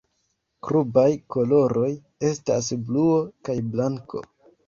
Klubaj koloroj estas bluo kaj blanko.